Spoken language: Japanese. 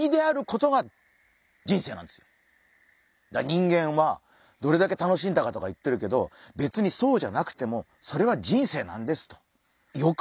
人間はどれだけ楽しんだかとか言ってるけど別にそうじゃなくてもそれは人生なんですと。